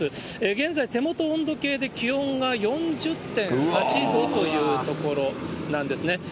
現在、手元温度計で気温が４０．８度というところなんですね。